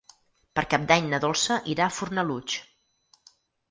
Per Cap d'Any na Dolça irà a Fornalutx.